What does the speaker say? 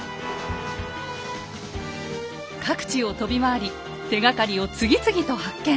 各地を飛び回り手がかりを次々と発見！